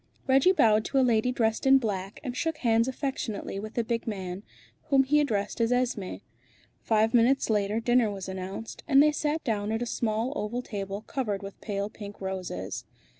Reggie bowed to a lady dressed in black, and shook hands affectionately with the big man, whom he addressed as Esmé. Five minutes later dinner was announced, and they sat down at a small oval table covered with pale pink roses.